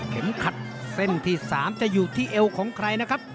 ขัดเส้นที่๓จะอยู่ที่เอวของใครนะครับ